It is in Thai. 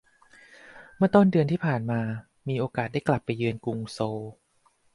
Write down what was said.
เมื่อต้นเดือนที่ผ่านมามีโอกาสได้กลับไปเยือนกรุงโซล